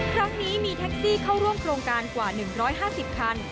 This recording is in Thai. ครั้งนี้มีแท็กซี่เข้าร่วมโครงการกว่า๑๕๐คัน